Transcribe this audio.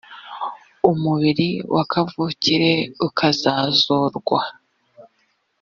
umubiri wa kavukire ukazazurwa